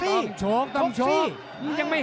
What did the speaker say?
หรือว่าผู้สุดท้ายมีสิงคลอยวิทยาหมูสะพานใหม่